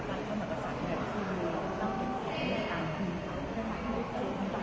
ประเทศไทยเป็นไทยในอำนวธ